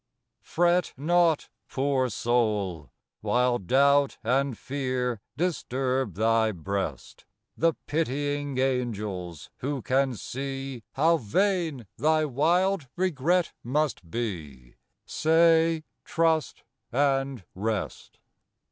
T^RET not, poor soul: while doubt and fear Disturb thy breast, The pitying angels, who can see How vain thy wild regret must be, Say, Trust and Rest.